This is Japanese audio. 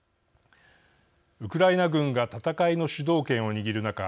ウクライナ軍が戦いの主導権を握る中